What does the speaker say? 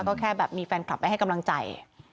ก็แค่แบบมีแฟนคลับไปให้กำลังใจ